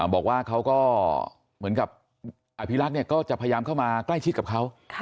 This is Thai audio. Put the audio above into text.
บอกว่าเขาก็เหมือนกับอภิรักษ์ก็จะพยายามเข้ามาใกล้ชิดกับเขา